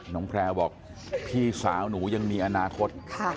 แพรวบอกพี่สาวหนูยังมีอนาคต